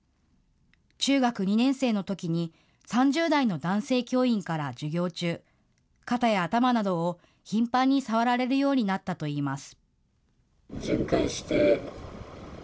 中学２年生のときに３０代の男性教員から授業中、肩や頭などを頻繁に触られるようになったといいます。